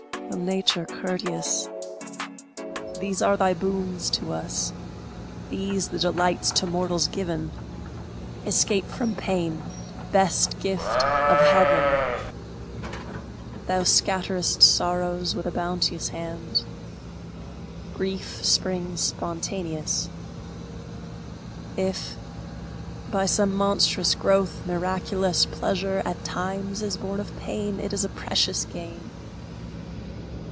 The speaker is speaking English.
O Nature courteous! These are thy boons to us, These the delights to mortals given! Escape from pain, best gift of heaven! Thou scatterest sorrows with a bounteous hand; Grief springs spontaneous; If, by some monstrous growth, miraculous, Pleasure at times is born of pain, It is a precious gain!